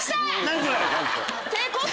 何？